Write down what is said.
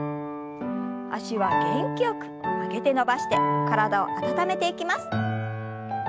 脚は元気よく曲げて伸ばして体を温めていきます。